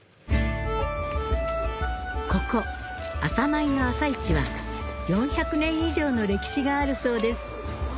ここは４００年以上の歴史があるそうです